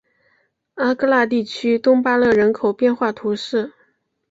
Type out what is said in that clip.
阿戈讷地区东巴勒人口变化图示